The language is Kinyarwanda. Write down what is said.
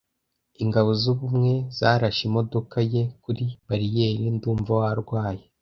Ingabo z’ubumwe zarashe imodoka ye kuri bariyeri Ndumva warwaye.